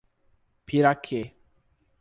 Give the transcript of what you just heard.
Piraquê